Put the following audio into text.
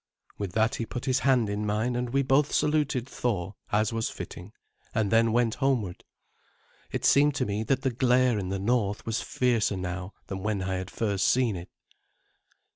With that he put his hand in mine, and we both saluted Thor, as was fitting, and then went homeward. It seemed to me that the glare in the north was fiercer now than when I had first seen it.